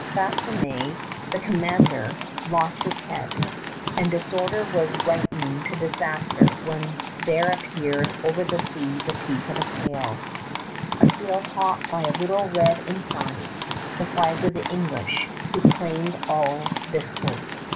Saussaye, the commander, lost his head, and disorder was ripening to disaster when there appeared over the sea the peak of a sail, a sail topped by a little red ensign, the flag of the English, who claimed all this coast.